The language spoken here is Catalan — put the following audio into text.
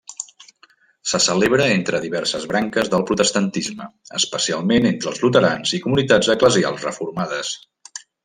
Se celebra entre diverses branques del protestantisme, especialment entre els luterans i comunitats eclesials reformades.